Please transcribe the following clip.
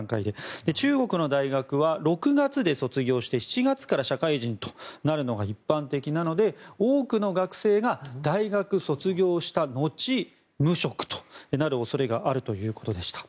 中国の大学は６月で卒業して７月から社会人となるのが一般的なので多くの学生が大学卒業した後無職となる恐れがあるということでした。